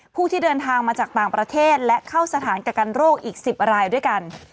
ผู้ที่เดินทางมาจากต่างประเทศและเข้าสถานกักกันโรคอีก๑๐รายด้วยกัน